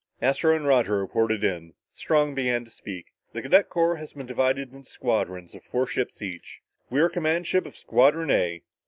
Astro and Roger reported in. Strong began to speak. "The cadet corps has been divided into squadrons of four ships each. We are command ship of Squadron A.